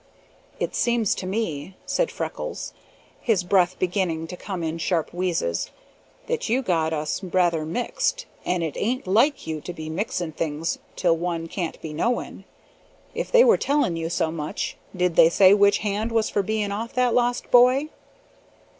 "It seems to me," said Freckles, his breath beginning to come in sharp wheezes, "that you got us rather mixed, and it ain't like you to be mixing things till one can't be knowing. If they were telling you so much, did they say which hand was for being off that lost boy?"